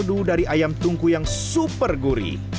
dan kaldu dari ayam tungku yang super gurih